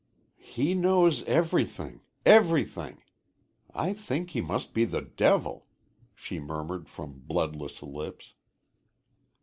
"He knows everything everything. I think he must be the devil," she murmured from bloodless lips.